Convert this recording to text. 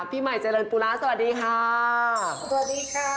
พี่ใหม่เจริญปูระสวัสดีค่ะสวัสดีค่ะ